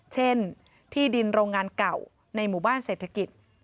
เช่นที่ดินโรงงานเก่าในหมู่บ้านเศรษฐกิจ